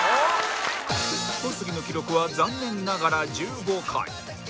小杉の記録は残念ながら１５回